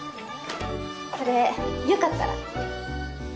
これよかったら。